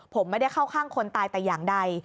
ผมไม่ได้เข้าข้างคนตายแต่อย่างใด